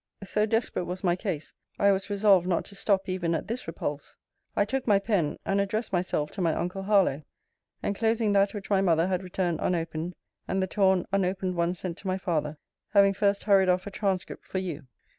So desperate was my case, I was resolved not to stop even at this repulse. I took my pen, and addressed myself to my uncle Harlowe, enclosing that which my mother had returned unopened, and the torn unopened one sent to my father; having first hurried off a transcript for you.